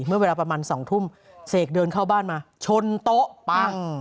เมื่อเวลาประมาณ๒ทุ่มเสกเดินเข้าบ้านมาชนโต๊ะปั้ง